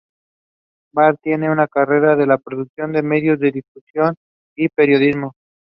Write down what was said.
This was later confirmed by the Qatari Government.